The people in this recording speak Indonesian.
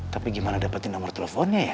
tapi gimana dapetin nomor teleponnya ya